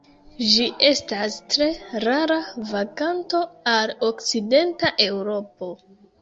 Ĝi estas tre rara vaganto al okcidenta Eŭropo.